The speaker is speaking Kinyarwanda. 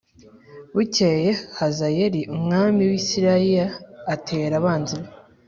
Bukeye Hazayeli umwami w’isiriya atera abanzi be.